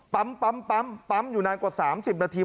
ปั๊มปั๊มอยู่นานกว่า๓๐นาที